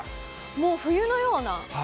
もう冬のような。